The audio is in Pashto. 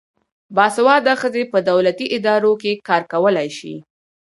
باسواده ښځې په دولتي ادارو کې کار کولای شي.